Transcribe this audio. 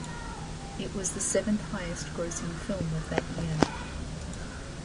It was the seventh highest-grossing film of that year.